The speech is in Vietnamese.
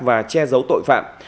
và che giấu tội phạm